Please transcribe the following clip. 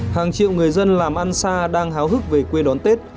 hàng triệu người dân làm ăn xa đang háo hức về quê đón tết